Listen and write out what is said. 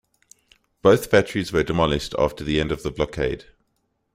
Both batteries were demolished after the end of the blockade.